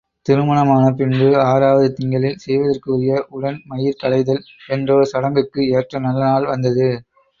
திருமணமான பின்பு ஆறாவது திங்களில் செய்வதற்கு உரிய உடன் மயிர் களைதல் என்றோர் சடங்குக்கு ஏற்ற நல்லநாள் வந்தது.